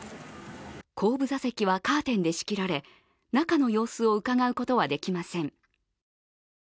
後部座席はカーテンで仕切られ中の様子をうかがうことはできません。